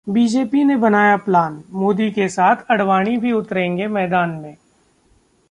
BJP ने बनाया plan, Modi के साथ आडवाणी भी उतरेंगे मैदान में